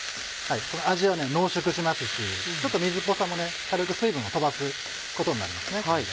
味は濃縮しますしちょっと水っぽさもね軽く水分を飛ばすことになるのでね。